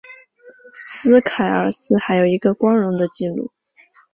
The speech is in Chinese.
斯凯尔斯还有一个光荣的记录。